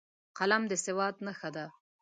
قلم د سواد نښه ده